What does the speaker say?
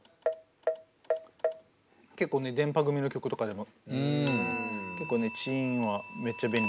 結構ねでんぱ組の曲とかでも。